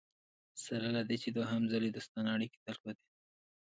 سره له دې چې دوهم ځل یې دوستانه اړیکي درلودې.